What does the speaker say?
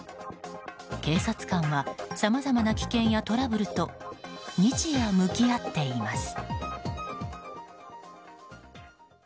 警察官はさまざまな危険やトラブルと日夜、向き合っています。